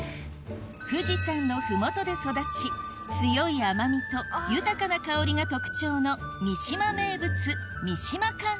富士山の麓で育ち強い甘みと豊かな香りが特長の三島名物